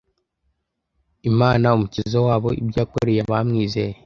Imana Umukiza wabo ibyo Yakoreye aba mwizeye